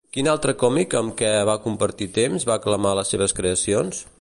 Quin altre còmic amb què compartí temps va aclamar les seves creacions?